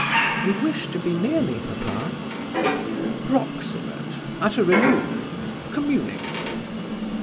"You wish to be near me, papa?" "Proximate at a remove: communicable."